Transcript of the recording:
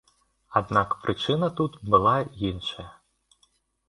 Аднак прычына тут была іншая.